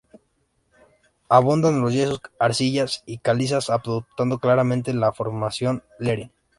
Abundan los yesos, arcillas y calizas, adoptando claramente la formación Lerín.